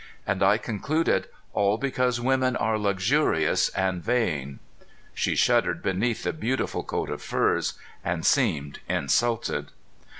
And I concluded: "All because women are luxurious and vain!" She shuddered underneath the beautiful coat of furs, and seemed insulted.